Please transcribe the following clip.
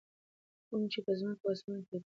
کوم چې په ځکمه او اسمانونو کي دي.